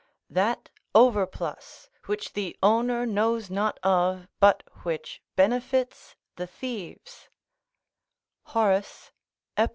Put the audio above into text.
["That overplus, which the owner knows not of, but which benefits the thieves" Horace, Ep.